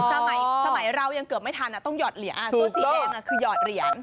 สมัยเรายังเกือบไม่ทันต้องหอดเหรียญเสื้อสีแดงคือหยอดเหรียญ